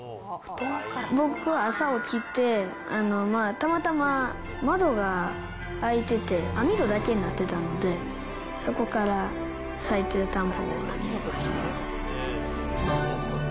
僕、朝起きてたまたま窓が開いてて、網戸だけになってたので、そこから咲いてるタンポポが見えました。